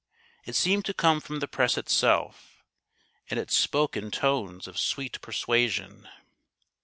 It seemed to come from the press itself, and it spoke in tones of sweet persuasion.